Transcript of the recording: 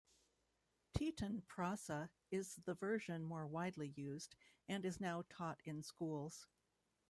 "Tetun Prasa" is the version more widely used, and is now taught in schools.